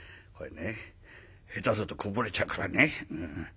これね下手するとこぼれちゃうからね。